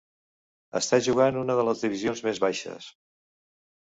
Està jugant una de les divisions més baixes.